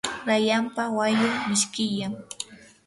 rayanpa wayun mishkillam.